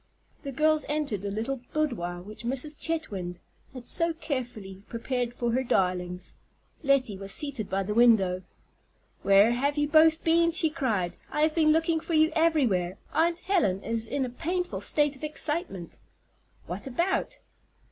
The girls entered the little boudoir which Mrs. Chetwynd had so carefully prepared for her darlings. Lettie was seated by the window. "Where have you both been?" she cried. "I have been looking for you everywhere. Aunt Helen is in a painful state of excitement." "What about?"